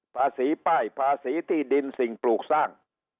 ภาษีป้ายภาษีที่ดินสิ่งปลูกสร้าง